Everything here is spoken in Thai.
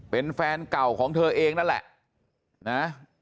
เป็นแฟนเก่าของเธอเองนั่นแหละนะ